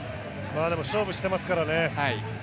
でも勝負していますからね。